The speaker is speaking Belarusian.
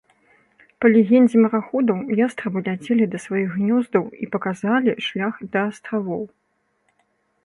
Па легендзе мараходаў, ястрабы ляцелі да сваіх гнёздаў і паказалі шлях да астравоў.